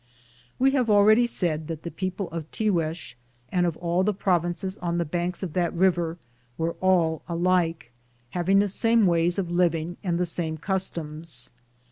We have already said that the people of Tiguex and of all the provinces on the banks of that river were all alike, having the same ways of living and the same customs.